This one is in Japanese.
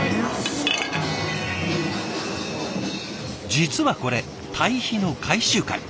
実はこれ堆肥の回収会。